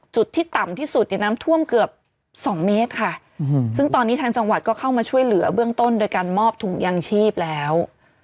จุดที่ต่ำที่สุดเนี่ยน้ำท่วมเกือบสองเมตรค่ะซึ่งตอนนี้ทางจังหวัดก็เข้ามาช่วยเหลือเบื้องต้นโดยการมอบถุงยางชีพแล้ว